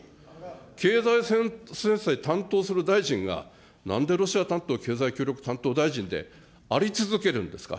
経済制裁担当する大臣が、なんでロシア担当経済協力担当大臣であり続けるんですか。